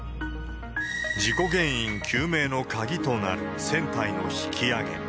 事故原因究明の鍵となる船体の引き揚げ。